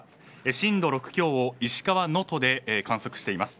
震度６強を石川能登で観測しています。